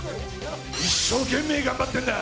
一生懸命頑張ってんだ。